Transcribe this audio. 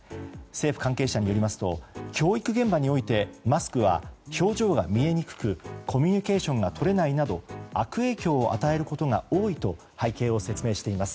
政府関係者によりますと教育現場においてマスクは表情が見えにくくコミュニケーションがとれないなど悪影響を与えることが多いと背景を説明しています。